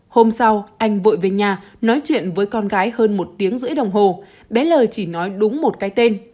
hôm sau anh vội về nhà nói chuyện với con gái hơn một tiếng rưỡi đồng hồ bé lời chỉ nói đúng một cái tên